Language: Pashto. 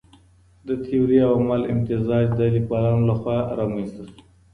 د تيوري او عمل امتزاج د ليکوالانو لخوا رامنځته سو.